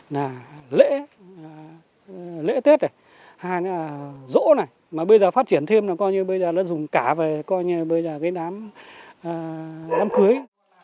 nè lễ lễ tết này dỗ này mà bây giờ phát triển thêm là coi như bây giờ nó dùng cả về coi như bây giờ cái đám đám cưới